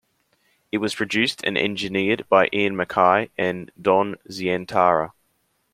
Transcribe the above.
It was produced and engineered by Ian MacKaye and Don Zientara.